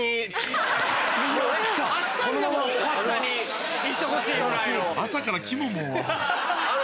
明日にでも『おはスタ』に行ってほしいぐらいの。